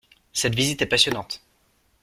Cette visite est passionnante.